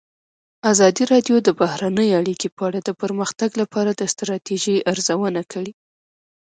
ازادي راډیو د بهرنۍ اړیکې په اړه د پرمختګ لپاره د ستراتیژۍ ارزونه کړې.